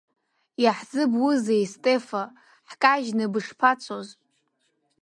Иаҳзыбузеи, Стефа, ҳкажьны бышԥацоз?